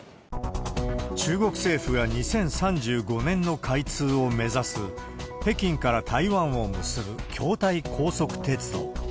中国政府が２０３５年の開通を目指す、北京から台湾を結ぶ、京台高速鉄道。